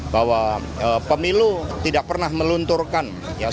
bahwa pemilu tidak pernah melunturkan